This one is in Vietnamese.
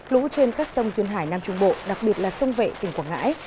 lũ trên các sông duyên hải nam trung bộ đặc biệt là sông vệ tỉnh quảng ngãi